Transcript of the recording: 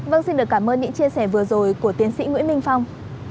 vâng xin được cảm ơn những chia sẻ vừa rồi của tiến sĩ nguyễn minh phong